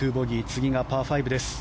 次がパー５です。